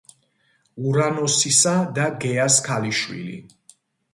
ურანოსისა და გეას ქალიშვილი.